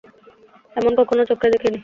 এমন কখনো চক্ষে দেখি নি।